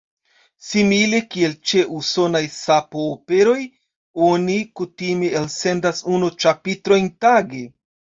Simile kiel ĉe usonaj sapo-operoj oni kutime elsendas unu ĉapitrojn tage.